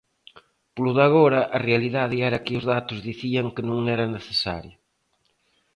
Polo de agora, a realidade era que os datos dicían que non era necesario.